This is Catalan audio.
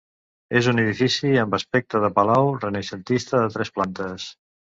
És un edifici amb aspecte de palau renaixentista de tres plantes.